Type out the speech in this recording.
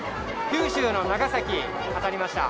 九州の長崎、当たりました。